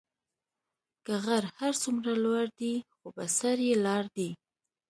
كه غر هر سومره لور دي خو به سر ئ لار دي.